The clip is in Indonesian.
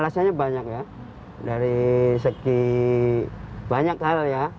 rasanya banyak ya dari segi banyak hal ya